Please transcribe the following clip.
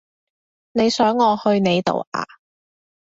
你想我去你度呀？